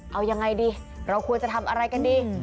เอายังไงดีเราควรจะทำอะไรกันดี